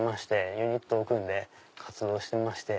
ユニットを組んで活動してまして。